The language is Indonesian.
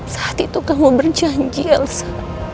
saat itu kamu berjanji elsa